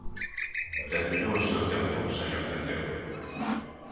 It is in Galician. Terminou o seu tempo, señor Centeo.